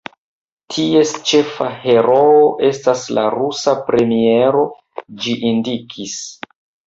Ties ĉefa heroo estas la rusa premiero," ĝi indikis.